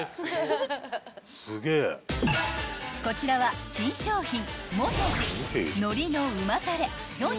［こちらは新商品］